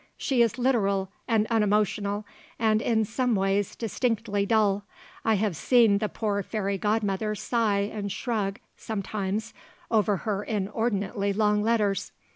"She is literal and unemotional, and, in some ways, distinctly dull. I have seen the poor fairy godmother sigh and shrug sometimes over her inordinately long letters.